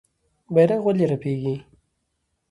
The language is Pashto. بیرغ ولې رپیږي؟